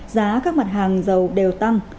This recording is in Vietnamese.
giá các mặt hàng dầu đều tăng